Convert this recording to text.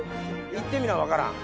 行ってみな分からん。